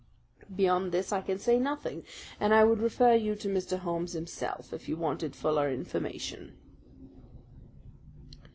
Beyond this I can say nothing, and I would refer you to Mr. Holmes himself if you wanted fuller information."